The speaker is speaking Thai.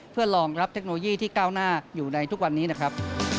เพื่อรองรับเทคโนโลยีที่ก้าวหน้าอยู่ในทุกวันนี้นะครับ